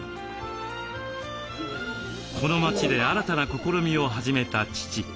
この街で新たな試みを始めた父。